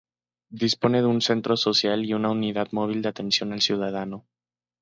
Dispone de un Centro Social y una Unidad Móvil de Atención al Ciudadano.